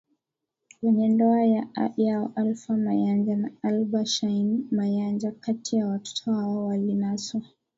kwenye ndoa yao Alfa Mayanja na Alba Shyne Mayanja Kati ya watoto hao walinaswa